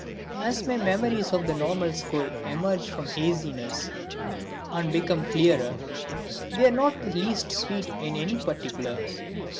_ As my memories of the Normal School emerge from haziness and become clearer they are not the least sweet in any particular.